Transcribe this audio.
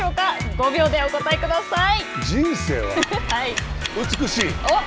５秒でお答えください。